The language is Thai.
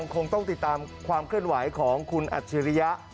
คงต้องติดตามความเคลื่อนไหวของคุณอัจฉริยะ